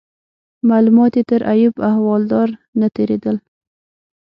معلومات یې تر ایوب احوالدار نه تیرېدل.